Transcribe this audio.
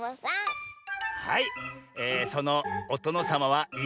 はい。